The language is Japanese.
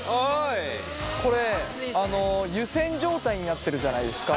これ湯せん状態になってるじゃないですか。